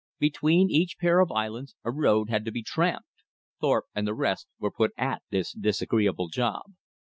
Between each pair of islands a road had to be "tramped." Thorpe and the rest were put at this disagreeable job.